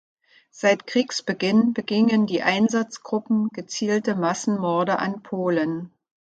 Seit Kriegsbeginn begingen die Einsatzgruppen gezielte Massenmorde an Polen.